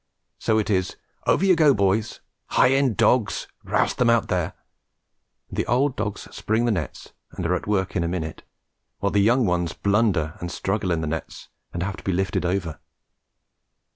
So it is, "Over you go, boys!" "Hie in, dogs! Roust them out there!" and the old dogs spring the nets and are at work in a minute, while the young ones blunder and struggle in the nets, and have to be lifted over.